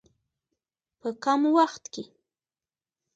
په کم وخت کې.